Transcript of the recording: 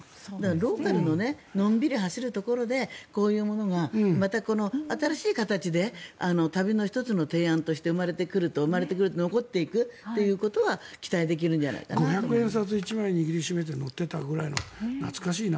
ローカルののんびり走るところでこういうものがまたこの、新しい形で旅の１つの提案として生まれてくると残っていくということが５００円札１枚握りしめて乗っていたぐらいの懐かしいな。